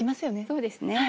そうですね。